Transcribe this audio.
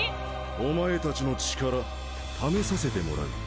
お前たちの力試させてもらう！